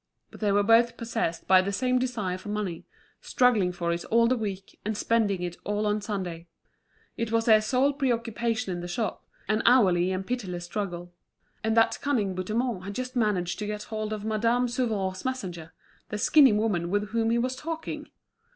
But they were both possessed by the same desire for money, struggling for it all the week, and spending it all on Sunday. It was their sole preoccupation in the shop, an hourly and pitiless struggle. And that cunning Bouthemont had just managed to get hold of Madame Sauveur's messenger, the skinny woman with whom he was talking!